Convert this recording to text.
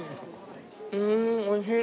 うんおいしい。